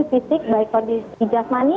fisik baik kondisi ghasmani